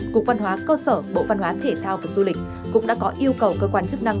cục văn hóa cơ sở bộ văn hóa thể thao và du lịch cũng đã có yêu cầu cơ quan chức năng